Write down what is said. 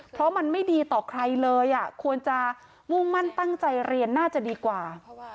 เพราะมันไม่ดีต่อใครเลยควรจะมุ่งมั่นตั้งใจเรียนน่าจะดีกว่า